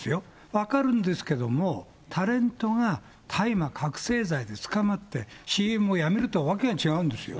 分かるんですけども、タレントが大麻、覚醒剤で捕まって、ＣＭをやめるとは訳が違うんですよ。